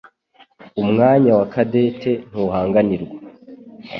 Umwanya wa Cadette ntuhanganirwa